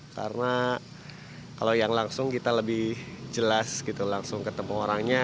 karena kalau yang langsung kita lebih jelas gitu langsung ketemu orangnya